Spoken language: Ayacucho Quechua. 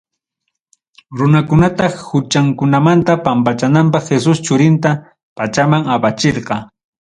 Runakunata huchankunamanta pampachanapaq Jesú churinta, pachaman apachirqa.